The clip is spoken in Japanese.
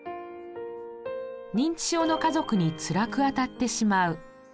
認知症の家族につらくあたってしまう。